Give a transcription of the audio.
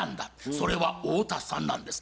それは太田さんなんです。